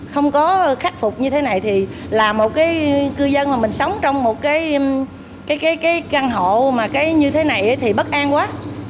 không có khắc phục như thế này thì là một cái cư dân mà mình sống trong một cái căn hộ mà cái như thế này thì bất an quá